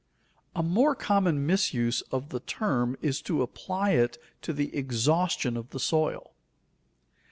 _A more common misuse of the term is to apply it to the exhaustion of the soil.